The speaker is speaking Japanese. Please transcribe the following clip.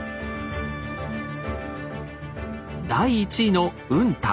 第１位の「雲太」。